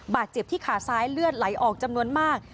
บาดเจ็บที่ขาซ้ายเลือดไหลออกจำนวนมาก